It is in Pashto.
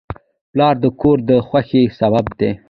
پلار د کور د خوښۍ سبب دی.